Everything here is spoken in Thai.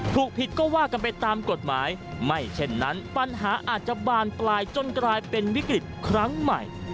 ผิดก็ว่ากันไปตามกฎหมายไม่เช่นนั้นปัญหาอาจจะบานปลายจนกลายเป็นวิกฤตครั้งใหม่